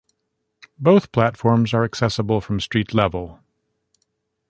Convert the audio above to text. Both platforms are accessible from street level.